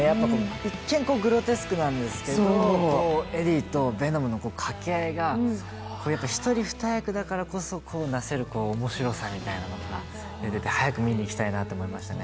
一見、グロテスクなんですけど、エディとヴェノムの掛け合いが、一人二役だからこそなせる面白さみたいなのが出てて早く見に行きたいなと思いましたね。